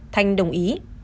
thanh đồng ý